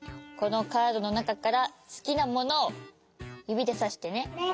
このカードのなかからすきなものをゆびでさしてね。